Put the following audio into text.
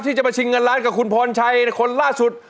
ที่จะมาชิงเงินล้านกับคุณพรชัยคนล่าสุด